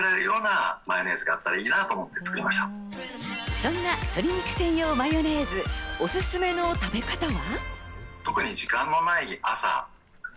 そんな鶏肉専用マヨネーズ、おすすめの食べ方は？